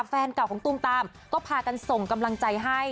แฟนเก่าของตูมตามก็พากันส่งกำลังใจให้